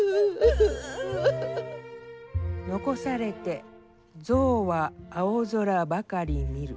「遺されて象は青空ばかり見る」。